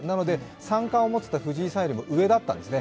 三冠を持っていた藤井さんよりも上だったんですね。